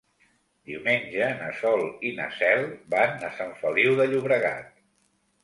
Diumenge na Sol i na Cel van a Sant Feliu de Llobregat.